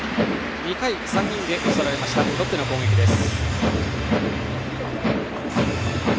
２回は３人で打ち取られましたロッテの攻撃です。